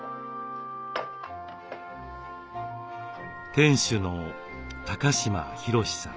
店主の高島浩さん。